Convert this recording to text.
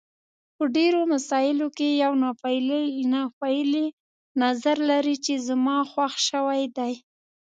په ډېرو مسایلو کې یو ناپېیلی نظر لري چې زما خوښ شوی دی.